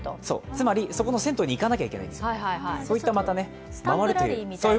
つまり、そこの銭湯に行かなきゃいけないんですよ。